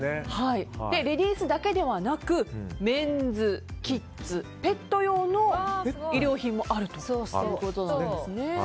レディースだけではなくメンズ、キッズ、ペット用の衣料品もあるということなんです。